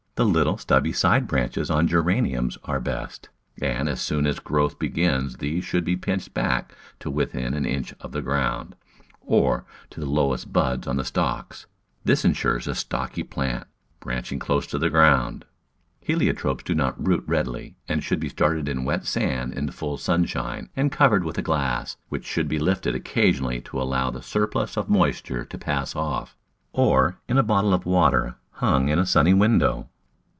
The little, stubby side branches Digitized by Google seven] Ctangplantttig 59 on Geraniums are best, and as soon as growth begins these should be pinched back to within an inch of the ground, or to the lowest buds on the stalks; this in sures a stocky plant, branching close to the ground. Heliotropes do not root readily and should be started in wet sand in full sunshine and covered with a glass, which should be lifted occasionally to allow the sur plus moisture to pass off, or in a bottle of water hung in a sunny window.